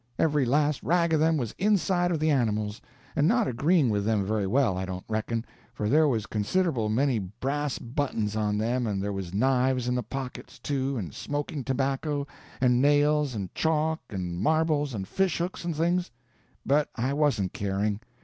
Every last rag of them was inside of the animals; and not agreeing with them very well, I don't reckon, for there was considerable many brass buttons on them, and there was knives in the pockets, too, and smoking tobacco, and nails and chalk and marbles and fishhooks and things. But I wasn't caring.